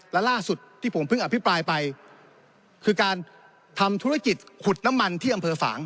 และล่าสุดที่ผมเพิ่งอภิปรายไปคือการทำธุรกิจขุดน้ำมันที่อำเภอฝาง